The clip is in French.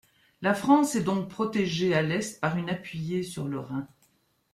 La France est donc protégée à l'est par une appuyée sur le Rhin.